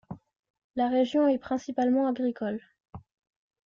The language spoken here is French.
La région est principalement agricole.